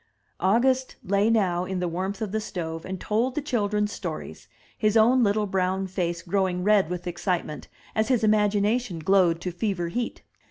August lay now in the warmth of the stove and told the children stories, his own little brown face growing red with excitement as his imagination glowed to fever heat.